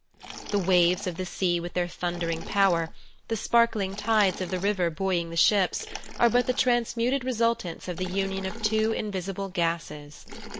The waves of the sea with their thundering power, the sparkling tides of the river buoying the ships, are but the transmuted resultants of the union of two invisible gases.